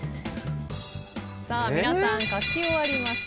皆さん書き終わりました。